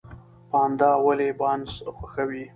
پاندا ولې بانس خوښوي؟